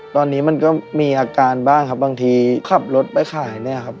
ตอนนี้มันก็มีอาการบ้างครับบางทีขับรถไปขายเนี่ยครับ